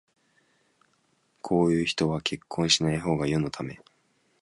こういう人は結婚しないほうが世のため